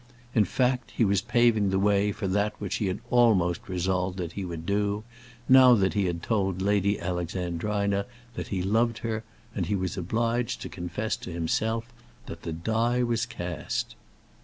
In fact he was paving the way for that which he had almost resolved that he would do, now he had told Lady Alexandrina that he loved her; and he was obliged to confess to himself that the die was cast.